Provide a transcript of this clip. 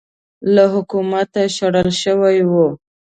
له حکومته شړل شوی و